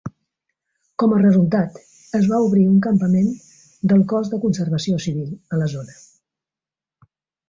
Com a resultat, es va obrir un campament del Cos de Conservació Civil a la zona.